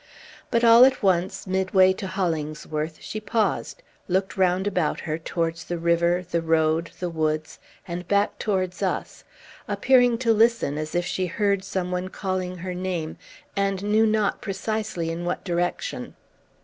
But, all at once, midway to Hollingsworth, she paused, looked round about her, towards the river, the road, the woods, and back towards us, appearing to listen, as if she heard some one calling her name, and knew not precisely in what direction.